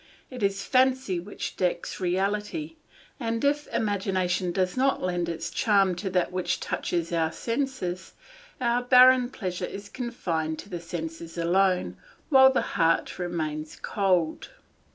It is fancy which decks reality, and if imagination does not lend its charm to that which touches our senses, our barren pleasure is confined to the senses alone, while the heart remains cold.